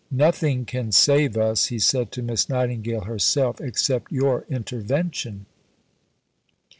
"Nothing can save us," he said to Miss Nightingale herself, "except your intervention."